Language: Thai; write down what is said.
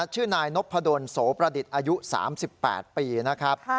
ชื่อนายนพดลโสประดิษฐ์อายุ๓๘ปีนะครับ